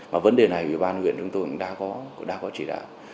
và vấn đề này ủy ban huyện chúng tôi cũng đã có chỉ đạo